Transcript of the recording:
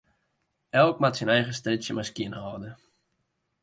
Elk moat syn eigen strjitsje mar skjinhâlde.